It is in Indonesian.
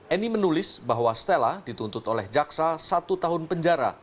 annie menulis bahwa stella dituntut oleh jaksa satu tahun penjara